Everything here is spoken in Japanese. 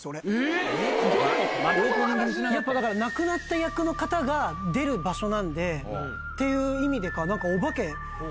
やっぱ亡くなった役の方が出る場所っていう意味でか何かお化け。